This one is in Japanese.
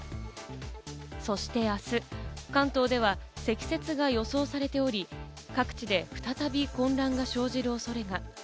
そして明日、関東では積雪が予想されており、各地で再び混乱が生じる恐れが。